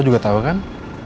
lo juga tau kan